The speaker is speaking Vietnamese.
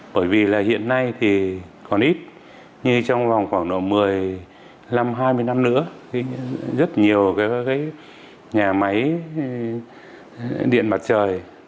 bởi vì là hiện nay thì còn ít như trong vòng khoảng độ một mươi năm hai mươi năm nữa rất nhiều nhà máy điện mặt trời